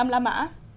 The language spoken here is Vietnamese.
năm lá mã